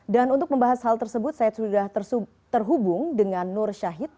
dan untuk membahas hal tersebut saya sudah terhubung dengan nur syahid